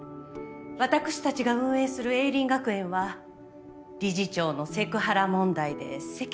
わたくしたちが運営する栄林学園は理事長のセクハラ問題で世間を騒がせております。